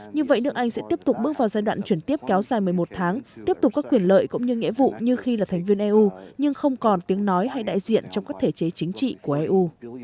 như vậy nước anh sẽ tiếp tục bước vào giai đoạn chuyển tiếp kéo dài một mươi một tháng tiếp tục có quyền lợi cũng như nghĩa vụ như khi là thành viên eu nhưng không còn tiếng nói hay đại diện trong các thể chế chính trị của eu